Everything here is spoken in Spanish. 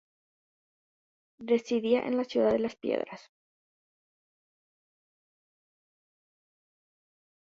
Residía en la ciudad de Las Piedras.